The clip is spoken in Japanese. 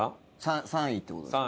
３位って事ですか？